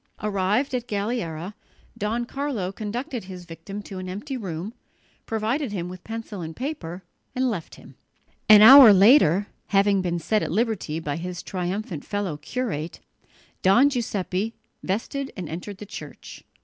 Arrived at Galliera, Don Carlo conducted his victim to an empty room, provided him with pencil and paper and left him. An hour later, having been set at liberty by his triumphant fellow curate, Don Giuseppe vested and entered the church.